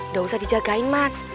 gak usah dijagain mas